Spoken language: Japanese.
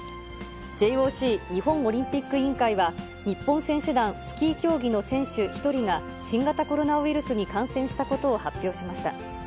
ＪＯＣ・日本オリンピック委員会は、日本選手団スキー競技の選手１人が、新型コロナウイルスに感染したことを発表しました。